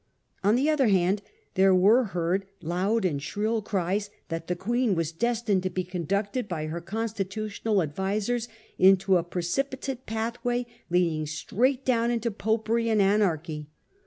On the other hand, there were heard loud and shrill cries that the Queen was destined to be conducted by her constitutional advisers into a precipitate pathway leading sheer down into popery and anarchy.